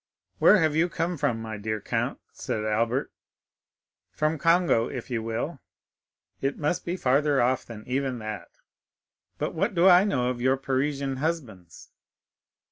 "Where have you come from, my dear count?" said Albert. "From Congo, if you will." "It must be farther off than even that." "But what do I know of your Parisian husbands?"